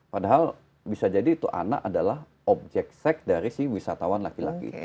padahal bisa jadi itu anak adalah objek seks dari si wisatawan laki laki